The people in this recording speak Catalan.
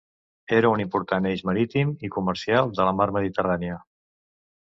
Era un important eix marítim i comercial de la mar Mediterrània.